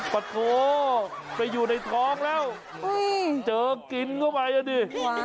ปรากฏว่าจะอยู่ในท้องแล้วเจอกินเข้าไปอ่ะดิ